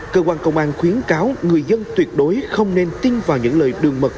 cơ quan công an khuyến cáo người dân tuyệt đối không nên tin vào những lời đường mật